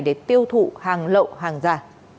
để tiêu thụ hàng lậu hàng giả